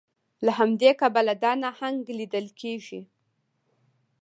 له همدې کبله دا نهنګ لیدل کیږي